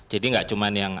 jadi enggak cuma yang